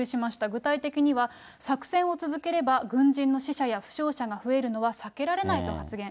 具体的には、作戦を続ければ軍人の死者や負傷者が増えるのは避けられないと発言。